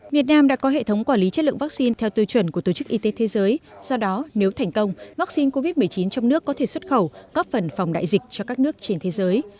việt nam đã có hệ thống quản lý chất lượng vaccine theo tiêu chuẩn của tổ chức y tế thế giới do đó nếu thành công vaccine covid một mươi chín trong nước có thể xuất khẩu góp phần phòng đại dịch cho các nước trên thế giới